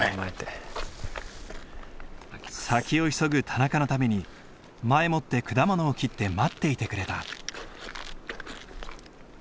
先を急ぐ田中のために前もって果物を切って待っていてくれた。